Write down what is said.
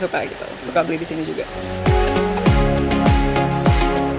suka beli disini juga